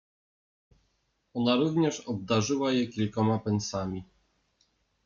Ona również obdarzała je kilkoma pensami…